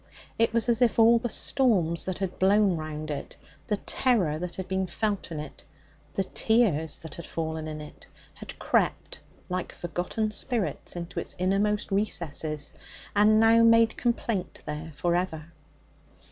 It was as if all the storms that had blown round it, the terror that had been felt in it, the tears that had fallen in it, had crept like forgotten spirits into its innermost recesses and now made complaint there for ever.